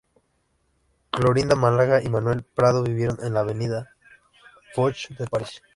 Clorinda Málaga y Manuel Prado vivieron en la Avenida Foch de París.